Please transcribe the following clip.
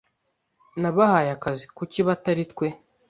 "Nabahaye akazi." "Kuki bo atari twe?"